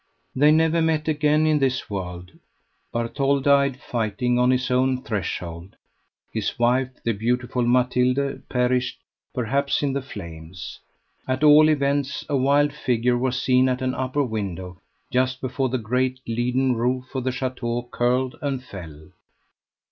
They never met again in this world. Bartholde died fighting on his own threshold; his wife, the beautiful Mathilde, perished, perhaps, in the flames. At all events, a wild figure was seen at an upper window just before the great leaden roof of the château curled and fell.